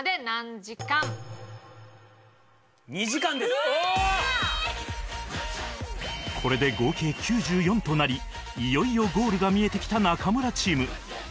続くこれで合計９４となりいよいよゴールが見えてきた中村チーム